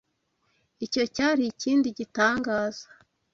Icyo cyari ikindi gitangaza